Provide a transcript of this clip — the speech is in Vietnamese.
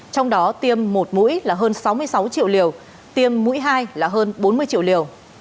trong đó tiêm một mũi là hơn sáu mươi sáu triệu liều tiêm mũi hai là hơn bốn mươi triệu liều